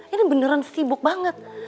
ini beneran sibuk banget